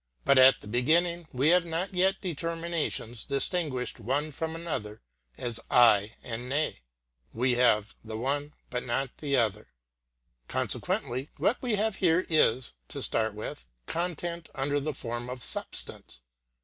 But at the beginning we have not yet determinations distinguished one from another as aye and nay. We have the one but not the other. Consequently, what we have here is, to start with, content under the form of substance.